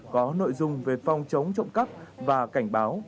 có nội dung về phòng chống trộm cắp và cảnh báo